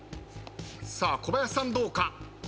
さあ小林さんどうか？